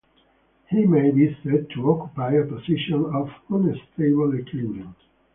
He may be said to occupy a position of unstable equilibrium.